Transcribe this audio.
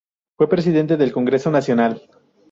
Fue presidente del Congreso Nacional.